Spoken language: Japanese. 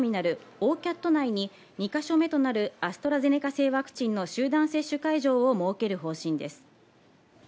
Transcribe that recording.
ＯＣＡＴ内に２か所目となるアストラゼネカ製ワクチンの集団接種会場を設ける方針です。